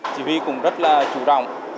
chỉ huy cũng rất là chủ rộng